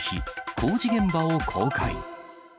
工事現場を公開。